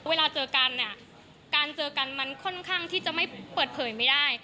เวลาเจอกันเนี่ยการเจอกันมันค่อนข้างที่จะไม่เปิดเผยไม่ได้